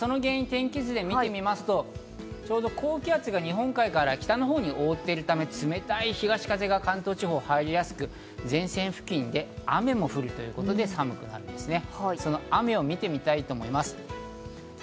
その原因を天気図で見てみますと、ちょうど高気圧が日本海から北のほうに覆っているため、冷たい東風が関東地方に入りやすく、前線付近で雨も降るということで寒くなるんですね。